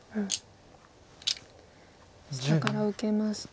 下から受けまして